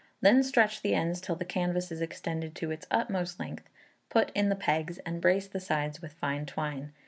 Then stretch the ends till the canvas is extended to its utmost length, put in the pegs, and brace the sides with fine twine.